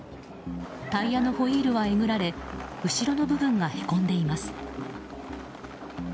タイヤのホイールはえぐられ後ろの部分がへこんでいます。